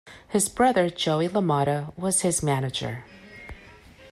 His brother Joey LaMotta was his manager.